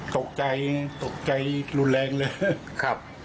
ตกใจตกใจรุนแรงเลยครับ